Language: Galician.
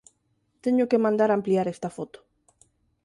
Teño que mandar ampliar esta foto.